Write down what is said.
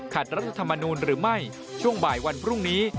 รัฐธรรมนูลหรือไม่ช่วงบ่ายวันพรุ่งนี้